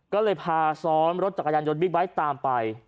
ก็เลยพาซ้อนรถจักรยานยนต์บิ๊กไบท์ตามไป